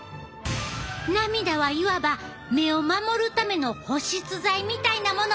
涙はいわば目を守るための保湿剤みたいなものってわけやな。